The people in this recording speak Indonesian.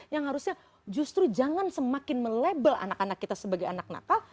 yang harusnya justru jangan semakin melabel anak anak kita sebagai anak nakal